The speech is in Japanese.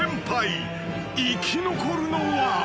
［生き残るのは］